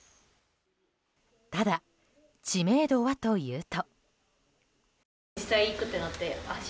ただ、知名度はというと。